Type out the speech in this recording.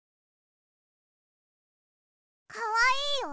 かわいいよ。